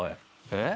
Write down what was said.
えっ？